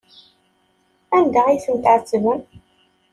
Anda ay ten-tɛettbem?